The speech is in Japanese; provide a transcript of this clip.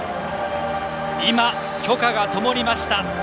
今、炬火がともりました。